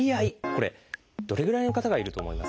これどれぐらいの方がいると思いますか？